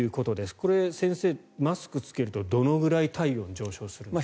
これ、先生マスクを着けるとどのぐらい体温が上昇するんですか？